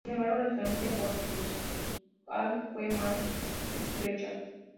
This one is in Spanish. Sin embargo, la diferencia porcentual fue más estrecha.